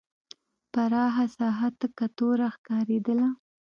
پراخه ساحه تکه توره ښکارېدله.